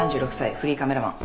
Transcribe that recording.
フリーカメラマン。